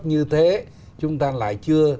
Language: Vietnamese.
như thế chúng ta lại chưa